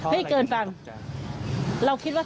ใช่ค่ะถ่ายรูปส่งให้พี่ดูไหม